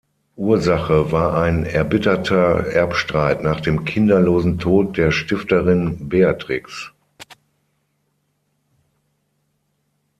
Ursache war ein erbitterter Erbstreit nach dem kinderlosen Tod der Stifterin Beatrix.